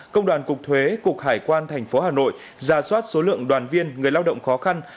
công đoàn cục thuế cục hải quan thành phố hà nội ra soát số lượng đoàn viên người lao động khó khăn